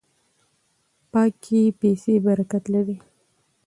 پاکې پیسې برکت لري.